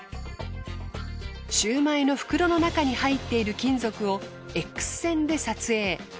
シューマイの袋の中に入っている金属をＸ線で撮影。